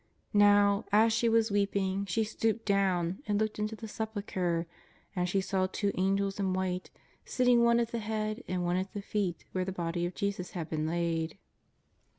Now, as she was weeping, she stooped down and looked into the Sepulchre : and she saw two Angels in white, sitting one at the head and one at the feet where the Body of Jesus had been laid.